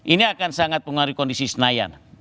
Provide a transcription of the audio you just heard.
ini akan sangat pengaruhi kondisi senayan